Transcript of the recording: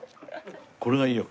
これがいいよ。